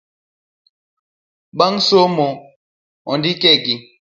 Bang somo andikegi